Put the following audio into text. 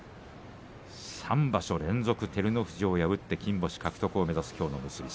３場所連続照ノ富士を破って金星獲得を目指すきょうの結び。